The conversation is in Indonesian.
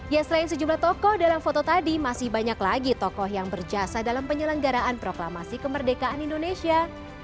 ya selain sejumlah tokoh dalam foto tadi masih banyak lagi tokoh yang berjasa dalam penyelenggaraan proklamasi kemerdekaan indonesia